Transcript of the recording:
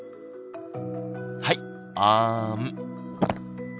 はいあん。